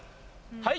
はい？